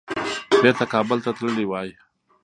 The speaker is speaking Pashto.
بیرته کابل ته تللي وای.